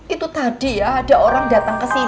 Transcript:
itu tadi ya ada orang datang kesini